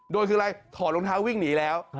โดยคืออะไรถอดรองเท้าวิ่งหนีแล้ว